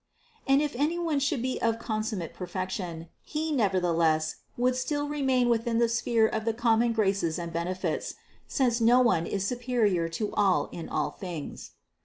And if any one should be of consummate perfec tion, he nevertheless would still remain within the sphere of the common graces and benefits, since no one is su perior to all in all things.